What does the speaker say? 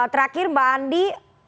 terakhir mbak andi